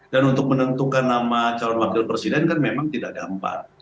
dan untuk menentukan nama calon wakil presiden kan memang tidak ada empat